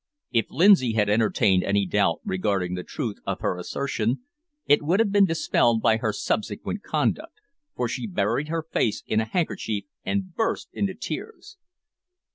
If Lindsay had entertained any doubt regarding the truth of her assertion, it would have been dispelled by her subsequent conduct, for she buried her face in a handkerchief and burst into tears.